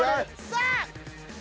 さあ！